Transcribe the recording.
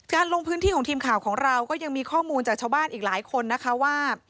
ลงพื้นที่ของทีมข่าวของเราก็ยังมีข้อมูลจากชาวบ้านอีกหลายคนนะคะว่า